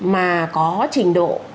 mà có trình độ